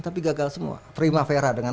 tapi gagal semua primavera dengan